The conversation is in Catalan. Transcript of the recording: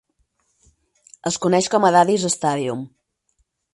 Es coneix com a Daddy's Stadium.